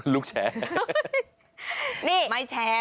ลูกแชร์